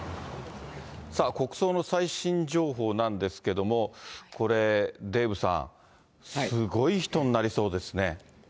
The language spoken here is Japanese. さあ、国葬の最新情報なんですけれども、これ、デーブさん、すごい人になりそうですね。